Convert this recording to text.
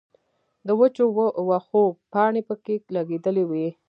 د وچو وښو پانې پکښې لګېدلې وې